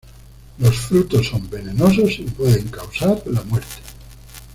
Los frutos son venenosos y pueden causar la muerte.